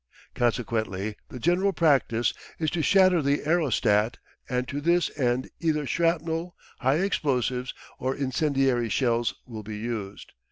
Consequently the general practice is to shatter the aerostat, and to this end either shrapnel, high explosive, or incendiary shells will be used.